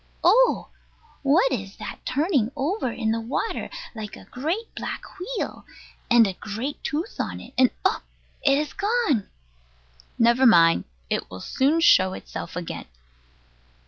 Oh! What is that turning over in the water, like a great black wheel? And a great tooth on it, and oh! it is gone! Never mind. It will soon show itself again.